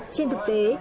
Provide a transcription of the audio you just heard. trên thực tế